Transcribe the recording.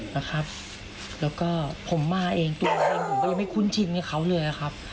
แล้วก็ผมมาเองตัวผมเองผมก็ยังไม่คุ้นชินกับเขาเลยครับ